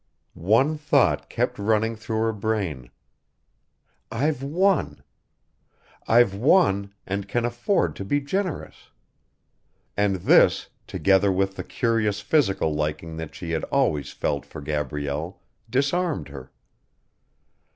One thought kept running through her brain: "I've won ... I've won, and can afford to be generous," and this, together with the curious physical liking that she had always felt for Gabrielle, disarmed her.